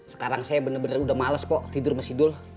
sekarang saya bener bener udah males pok tidur masih dul